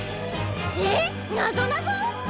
えっなぞなぞ！？